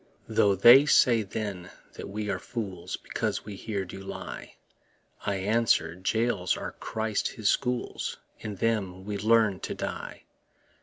Though they say then that we are fools Because we here do lie, I answer, Jails are Christ his schools, In them we learn to die.